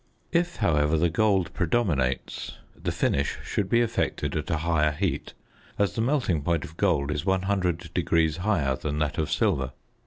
If, however, the gold predominates the finish should be effected at a higher heat, as the melting point of gold is 100° higher than that of silver.